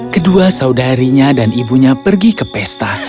kedua saudarinya dan ibunya pergi ke pesta